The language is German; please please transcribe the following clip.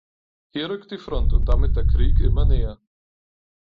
Hier rückt die Front und damit der Krieg immer näher.